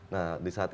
nah di saat itu